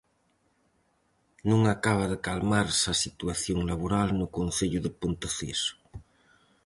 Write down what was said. Non acaba de calmarse a situación laboral no concello de Ponteceso.